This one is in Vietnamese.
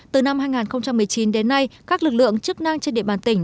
từ năm hai nghìn một mươi chín đến nay các lực lượng chức năng trên địa bàn tỉnh